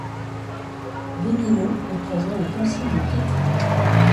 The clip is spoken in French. Vénilon est présent au concile de Pîtres.